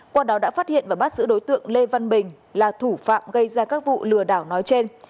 qua đó đã phát hiện và bắt giữ đối tượng lê văn bình là thủ phạm gây ra các vụ lừa đảo nói trên